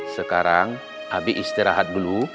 sekarang habis istirahat dulu